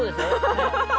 ハハハ。